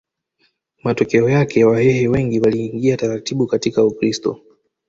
Matokeo yake Wahehe wengi waliingia taratibu katika Ukristo